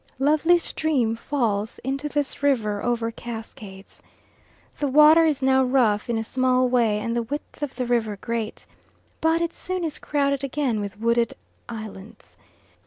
Lovely stream falls into this river over cascades. The water is now rough in a small way and the width of the river great, but it soon is crowded again with wooded islands.